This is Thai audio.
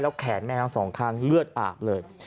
แขนแม่ทั้งสองข้างเลือดอาบเลย